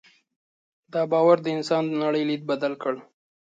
دا باور د انسان د نړۍ لید بدل کړ.